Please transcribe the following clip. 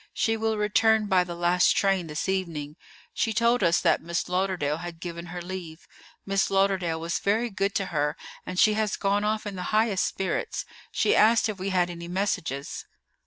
She will return by the last train this evening. She told us that Miss Lauderdale had given her leave. Miss Lauderdale was very good to her, and she has gone off in the highest spirits. She asked if we had any messages."